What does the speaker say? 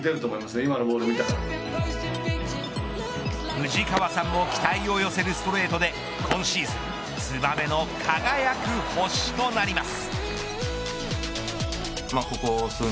藤川さんも期待を寄せるストレートで今シーズンツバメの輝く星となります。